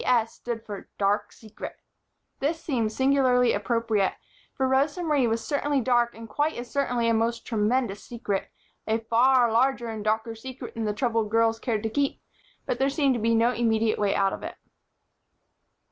S. stood for "Dark Secret." This seemed singularly appropriate, for Rosa Marie was certainly dark and quite as certainly a most tremendous secret a far larger and darker secret than the troubled girls cared to keep, but there seemed to be no immediate way out of it.